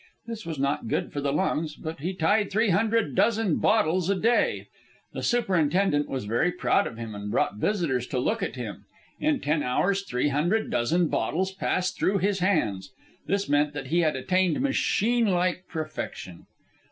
This was not good for the lungs, but he tied three hundred dozen bottles a day. The superintendent was very proud of him, and brought visitors to look at him. In ten hours three hundred dozen bottles passed through his hands. This meant that he had attained machine like perfection.